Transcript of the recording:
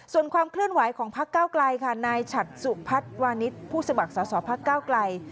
ส่วนความเคลื่อนไหวของพักเก้าไกลค่ะนายฉัดสุพัฒน์วานิสผู้สมัครสอสอพักก้าวไกล